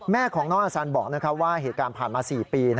แม่ของน้องอสันบอกว่าเหตุการณ์ผ่านมา๔ปี